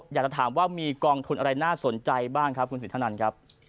อยากจะถามว่ามีกองทุนอะไรน่าสนใจบ้างครับคุณสินทนันครับ